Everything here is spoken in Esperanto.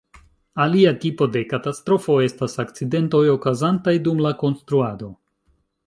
Alia tipo de katastrofo estas akcidentoj okazantaj dum la konstruado.